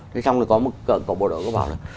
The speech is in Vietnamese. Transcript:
thế xong rồi có một cậu bộ đội có bảo là